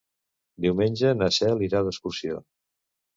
Diumenge na Cel irà d'excursió.